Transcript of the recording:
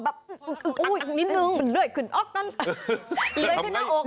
มันเหลือดเท้าให้กลับมานะครับ